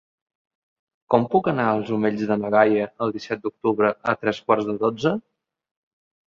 Com puc anar als Omells de na Gaia el disset d'octubre a tres quarts de dotze?